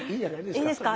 いいですか？